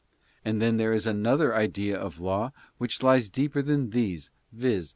And then there is another idea of Law which lies deeper than these, viz.